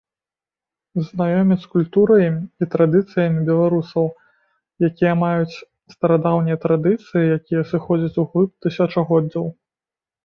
Знаёміць з культурай і традыцыямі беларусаў, якія маюць старадаўнія традыцыі, якія сыходзяць углыб тысячагоддзяў.